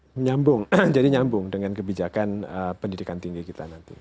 menyambung jadi nyambung dengan kebijakan pendidikan tinggi kita nanti